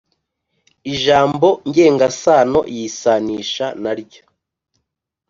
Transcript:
ijambo ngengasano yisanisha na ryo